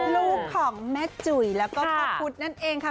ลูกของแม่จุ๋ยแล้วก็พ่อพุทธนั่นเองค่ะ